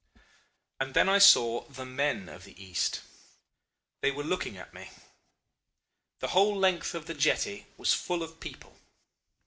"And then I saw the men of the East they were looking at me. The whole length of the jetty was full of people.